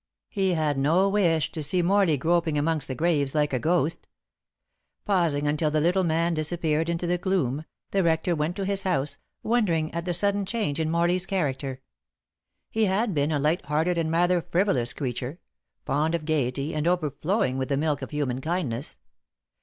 He had no wish to see Morley groping amongst the graves like a ghost. Pausing until the little man disappeared into the gloom, the rector went to his house, wondering at the sudden change in Morley's character. He had been a light hearted and rather frivolous creature; fond of gaiety and overflowing with the milk of human kindness.